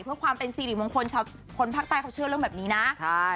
เพื่อความเป็นสิริมงคลชาวคนภาคใต้เขาเชื่อเรื่องแบบนี้นะใช่